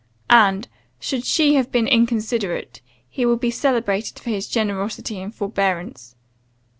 And, should she have been inconsiderate, he will be celebrated for his generosity and forbearance.